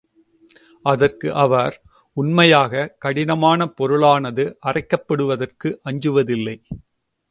அதற்கு அவர், உண்மையாக, கடினமான பொருளானது அரைக்கப்படுவதற்கு அஞ்சுவதில்லை.